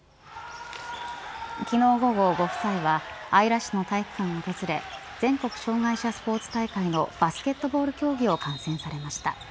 昨日午後、ご夫妻は姶良市の体育館を訪れ全国障害者スポーツ大会のバスケットボール競技を観戦されました。